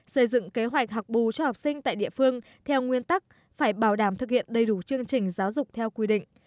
xây dựng kế hoạch học bù cho học sinh tại địa phương theo nguyên tắc phải bảo đảm thực hiện đầy đủ chương trình giáo dục theo quy định